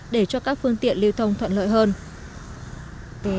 để cho các phương tiện lưu thông thuận lợi hơn